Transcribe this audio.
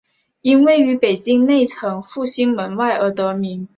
因位于北京内城复兴门外而得名。